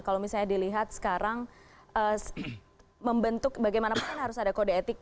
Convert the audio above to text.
kalau misalnya dilihat sekarang membentuk bagaimanapun harus ada kode etik